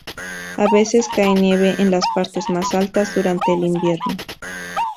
A veces cae nieve en las partes más altas, durante el invierno.